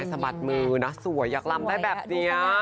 สะบัดมือนะสวยอยากลำได้แบบนี้